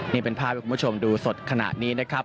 นี่เป็นภาพให้คุณผู้ชมดูสดขณะนี้นะครับ